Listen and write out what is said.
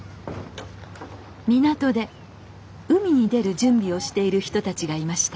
港で海に出る準備をしている人たちがいました。